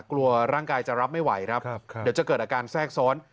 กลัวร่างกายจะรับไม่ไหวครับเดี๋ยวจะเกิดอาการแทรกซ้อน